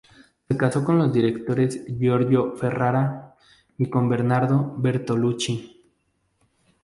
Se casó con los directores Giorgio Ferrara y con Bernardo Bertolucci.